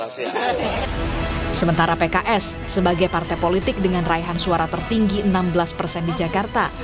sementara pks sebagai partai politik dengan raihan suara tertinggi enam belas persen di jakarta